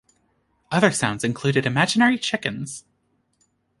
Other sounds included imaginary chickens.